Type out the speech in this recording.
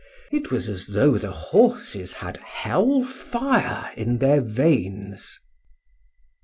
It was as though the horses had hell fire in their veins.